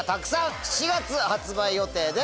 ４月発売予定です。